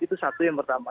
itu satu yang pertama